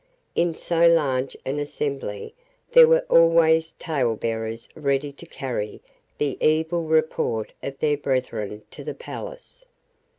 In so large an assembly there were always talebearers ready to carry the evil report of their brethren to the palace.